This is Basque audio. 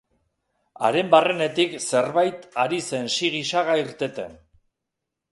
Haren barrenetik zerbait ari zen sigi-saga irteten.